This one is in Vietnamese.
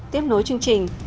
tiếp nối chương trình